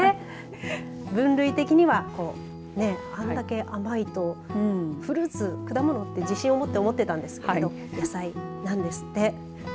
分類的にはあれだけ甘いとフルーツ、果物って自信持って思っていたんですけど野菜なんですって。